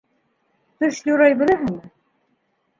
- Төш юрай беләһеңме?